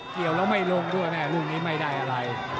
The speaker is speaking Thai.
เกี่ยวแล้วไม่ลงด้วยแม่ลูกนี้ไม่ได้อะไร